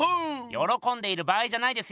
よろこんでいる場合じゃないですよ